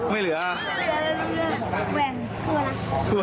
ไม่เหลือแหวงทั่วละ